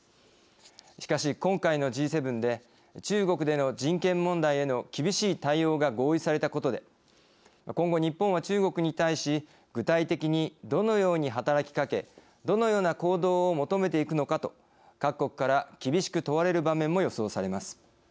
しかし今回のＧ７で中国での人権問題への厳しい対応が合意されたことで「今後日本は中国に対し具体的にどのように働きかけどのような行動を求めていくのか」と各国から厳しく問われる場面も予想されます。